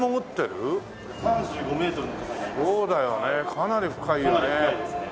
かなり深いですね。